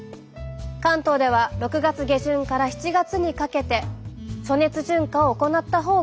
関東では６月下旬から７月にかけて暑熱順化を行ったほうがよいでしょう。